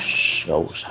shh gak usah